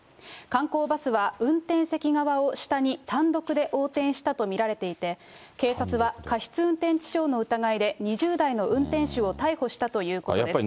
観光バスは、運転席側を下に単独で横転したと見られていて、警察は過失運転致傷の疑いで、２０代の運転手を逮捕したということです。